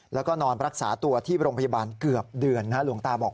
แล้วก็นอนรักษาตัวที่โรงพยาบาลเกือบเดือนหลวงตาบอก